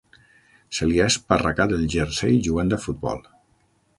Se li ha esparracat el jersei jugant a futbol.